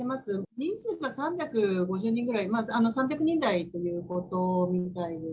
人数が３５０人ぐらい、３００人台ということみたいです。